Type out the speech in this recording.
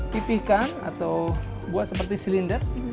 pipihkan atau buat seperti silinder